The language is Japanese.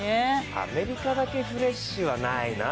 アメリカだけフレッシュはないな。